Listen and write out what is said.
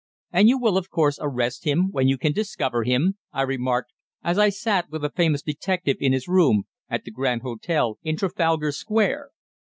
"And you will, of course, arrest him when you can discover him," I remarked, as I sat with the famous detective in his room at the Grand Hotel in Trafalgar Square.